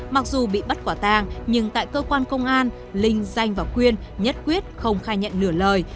mặc dù bị bắt quả tang nhưng tại cơ quan công an linh danh và quyên nhất quyết không khai nhận lửa lời